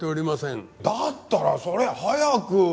だったらそれ早く。